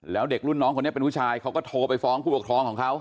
แล้วเด็กรุ่นน้องคนนี้เป็นผู้ชายเขาก็โทรไปฟ้องผู้ปกครองของเขา